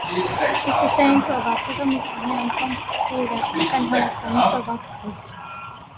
Հյուսիսային ծովափիղը մի քանի անգամ փոքր է իր ազգական հարավային ծովափղից։